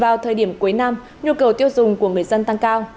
vào thời điểm cuối năm nhu cầu tiêu dùng của người dân tăng cao